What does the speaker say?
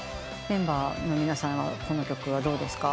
メンバーの皆さんはこの曲はどうですか？